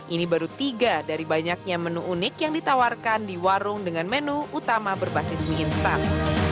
ini baru tiga dari banyaknya menu unik yang ditawarkan di warung dengan menu utama berbasis mie instan